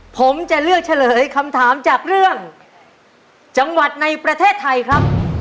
ผมจะเลือกเฉลยคำถามจากเรื่องจังหวัดในประเทศไทยครับ